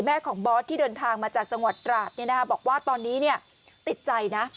ของบอสที่เดินทางมาจากจังหวัดตราดบอกว่าตอนนี้ติดใจนะ